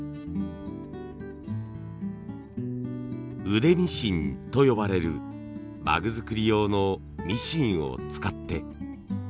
腕ミシンと呼ばれる馬具作り用のミシンを使って。